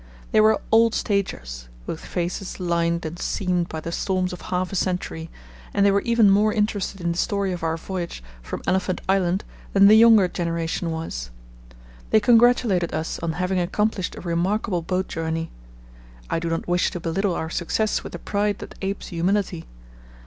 They were "old stagers" with faces lined and seamed by the storms of half a century, and they were even more interested in the story of our voyage from Elephant Island than the younger generation was. They congratulated us on having accomplished a remarkable boat journey. I do not wish to belittle our success with the pride that apes humility.